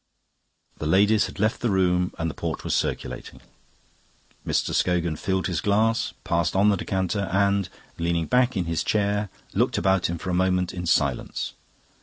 The ladies had left the room and the port was circulating. Mr. Scogan filled his glass, passed on the decanter, and, leaning back in his chair, looked about him for a moment in silence.